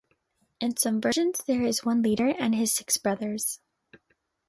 In some versions there is one leader and his six brothers.